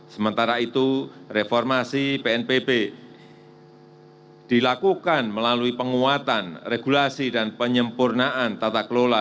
sementara itu reformasi pnpb dilakukan melalui penguatan regulasi dan penyempurnaan tata kelola